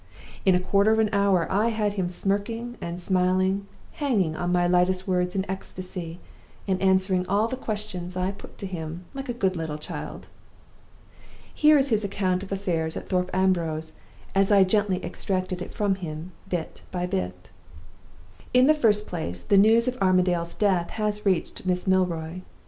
In a quarter of an hour I had him smirking and smiling, hanging on my lightest words in an ecstasy, and answering all the questions I put to him like a good little child. "Here is his account of affairs at Thorpe Ambrose, as I gently extracted it from him bit by bit: "In the first place, the news of Armadale's death has reached Miss Milroy.